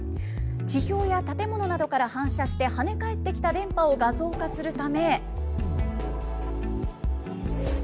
地表や建物などから反射して跳ね返ってきた電波を画像化するため。